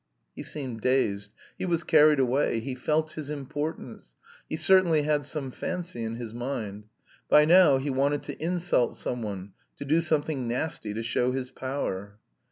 He seemed dazed; he was carried away; he felt his importance; he certainly had some fancy in his mind. By now he wanted to insult some one, to do something nasty to show his power.